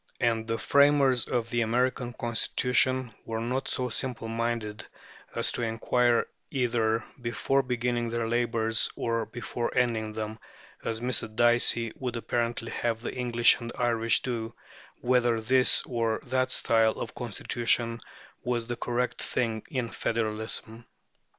And the framers of the American Constitution were not so simple minded as to inquire, either before beginning their labours or before ending them as Mr. Dicey would apparently have the English and Irish do whether this or that style of constitution was "the correct thing" in federalism.